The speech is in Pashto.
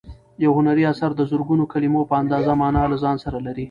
یو هنري اثر د زرګونو کلیمو په اندازه مانا له ځان سره لري.